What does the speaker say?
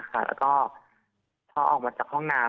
หนูไปเข้าห้องน้ำได้ค่ะ